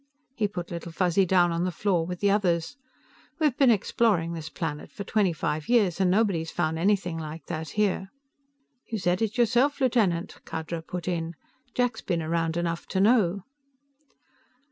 He put Little Fuzzy down on the floor with the others. "We've been exploring this planet for twenty five years, and nobody's found anything like that here." "You said it yourself, Lieutenant," Khadra put in. "Jack's been around enough to know."